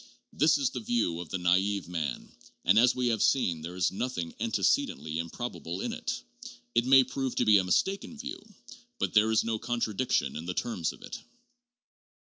This is the view of the naive man, and, as we have seen, there is nothing antecedently improbable in it. It may prove to be a mistaken view, but there is no contradiction in the terms of it.